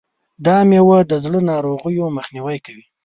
دا مېوه د زړه ناروغیو مخنیوی کوي.